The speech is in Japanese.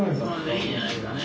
いいじゃないですかね。